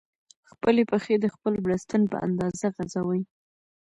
خپلې پښې د خپل بړستن په اندازه غځوئ.